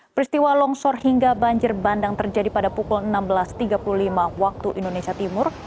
peristiwa longsor hingga banjir bandang terjadi pada pukul enam belas tiga puluh lima waktu indonesia timur